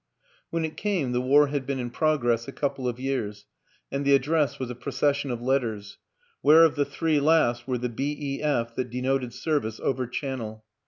When it came the war had been in progress a couple of years and the address was a procession of letters whereof the three last were the B.E.F. that denoted service over Channel.